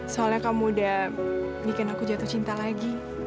soalnya kamu udah bikin aku jatuh cinta lagi